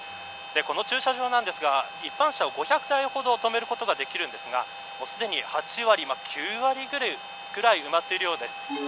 この駐車場ですが一般車を５００台ほど止めることができるんですがすでに８割から９割ぐらい埋まっているようです。